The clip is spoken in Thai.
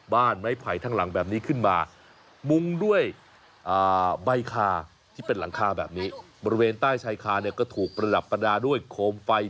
บ้านไม้ไผ่ทั้งหลังแบบนี้ขึ้นมามุ่งด้วยใบคาที่เป็นหลังคาแบบนี้บริเวณใต้ชายคาเนี่ยก็ถูกประดับประดาษด้วยโคมไฟ